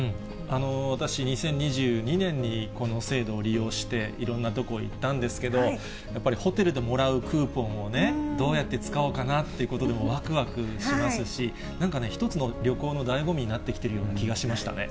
私、２０２２年にこの制度を利用して、いろんな所行ったんですけど、やっぱりホテルでもらうクーポンをね、どうやって使おうかなということで、わくわくしますし、なんかね、一つの旅行のだいご味になってきているような気がしましたね。